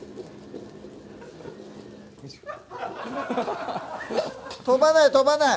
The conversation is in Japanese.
よいしょ飛ばない飛ばない！